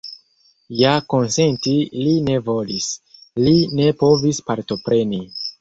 Ja konsenti li ne volis, li ne povis partopreni.